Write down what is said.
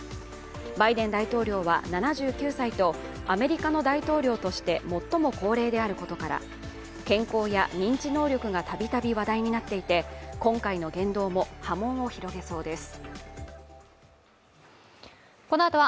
バイデン大統領は７９歳とアメリカの大統領として最も高齢であることから健康や認知能力が度々話題になっていて今回の言動も波紋を広げそうです。